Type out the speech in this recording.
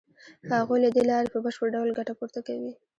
هغوی له دې لارې په بشپړ ډول ګټه پورته کوي